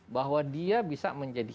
bahwa dia bisa menjadi